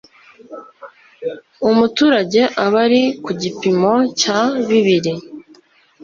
umuturage abari ku gipimo cya bibiri